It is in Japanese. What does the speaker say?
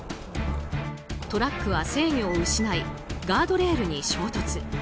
トラックは制御を失いガードレールに衝突。